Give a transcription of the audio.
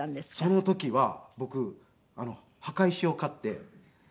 その時は僕墓石を買ってちょっと。